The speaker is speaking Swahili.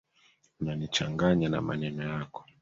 Unanichanganya na maneno yako.